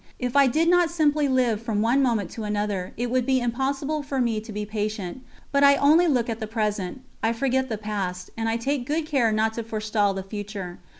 If I did not simply live from one moment to another, it would be impossible for me to be patient; but I only look at the present, I forget the past, and I take good care not to forestall the future.